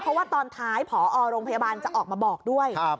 เพราะว่าตอนท้ายผอโรงพยาบาลจะออกมาบอกด้วย